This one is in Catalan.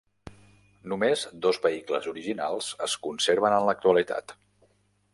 Només dos vehicles originals es conserven en l'actualitat.